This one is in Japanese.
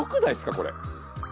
これ。